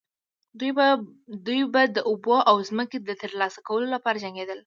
دوی به د اوبو او ځمکې د ترلاسه کولو لپاره جنګیدل.